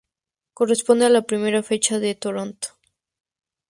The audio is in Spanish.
Corresponde a la primera fecha en Toronto.